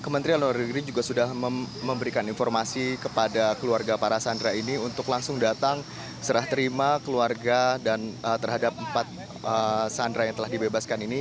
memberikan informasi kepada keluarga para sandra ini untuk langsung datang serah terima keluarga dan terhadap empat sandra yang telah dibebaskan ini